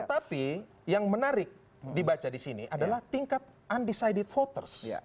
tetapi yang menarik dibaca di sini adalah tingkat undecided voters